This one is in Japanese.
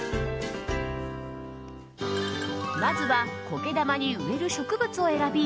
まずは苔玉に植える植物を選び